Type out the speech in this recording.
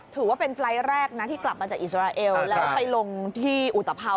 ถือว่าเป็นไฟล์ทแรกนะที่กลับมาจากอิสราเอลแล้วไปลงที่อุตภัว